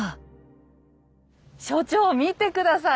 所長見て下さい。